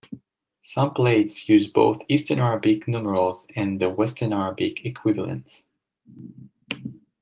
Some plates use both Eastern Arabic numerals and the 'Western Arabic' equivalents.